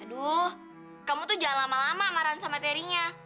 aduh kamu tuh jangan lama lama marah sama teorinya